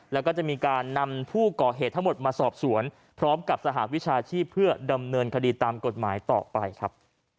แล้วก็จะมีการนำผู้ก่อเหตุทั้งหมดมาสอบสวนพร้อมกับสหวิชาชีพเพื่อดำเนินคดีตามกฎหมายต่อไปครับ